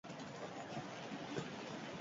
Laborantza eta artzaingoa.